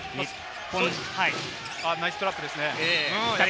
ナイストラップですね。